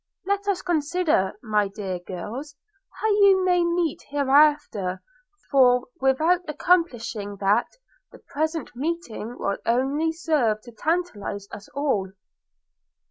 – Let us consider, my dear girls, how you may meet hereafter; for, without accomplishing that, the present meeting will only serve to tantalize us all!'